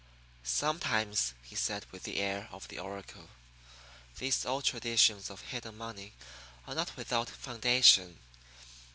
"Sometimes," he said with the air of the oracle, "these old traditions of hidden money are not without foundation.